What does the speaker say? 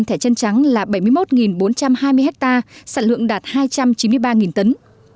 tức là bảy mươi một bốn trăm hai mươi ha sản lượng đạt hai trăm chín mươi ba tấn